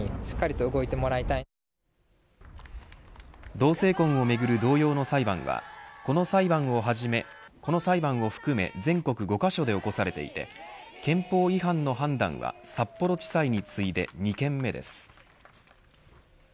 同性婚をめぐる同様の裁判はこの裁判を含め、全国５カ所で起こされていて憲法違反の判断は札幌地裁に次いで２件目です。